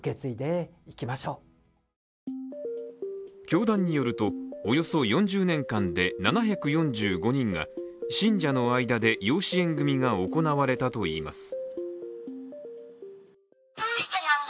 教団によると、およそ４０年間で７４５人が信者の間で養子縁組が行われたといいます。